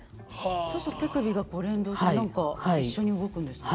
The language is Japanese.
そうすると手首が連動して何か一緒に動くんですね。